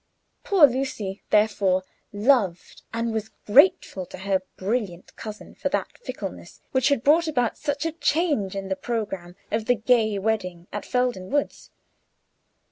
Poor Lucy, therefore, loved, and was grateful to her brilliant cousin for that fickleness which had brought about such a change in the programme of the gay wedding at Felden Woods.